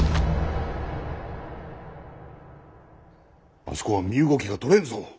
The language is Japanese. あそこは身動きがとれんぞ。